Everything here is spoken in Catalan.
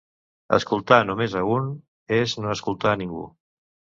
Escoltar només a un és no escoltar a ningú.